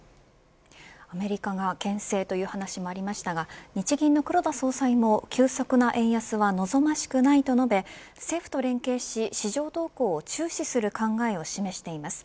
アメリカがけん制という話もありましたが日銀の黒田総裁も急速な円安は望ましくないと述べ政府と連携し市場動向を注視する考えを示しています。